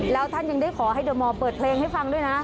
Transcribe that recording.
แล้วท่านยังได้ขอให้เดอร์มอร์เปิดเพลงให้ฟังด้วยนะ